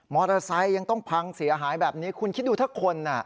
ไซค์ยังต้องพังเสียหายแบบนี้คุณคิดดูถ้าคนอ่ะ